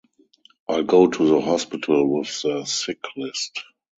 I'll go to the hospital with the sick-list.